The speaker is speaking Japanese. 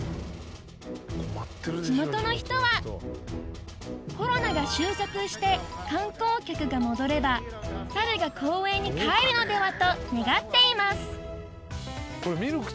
地元の人はコロナが収束して観光客が戻れば猿が公園に帰るのではと願っています